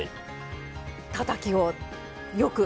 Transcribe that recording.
たたきをよく？